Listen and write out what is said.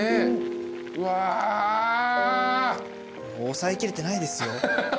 抑えきれてないですよ。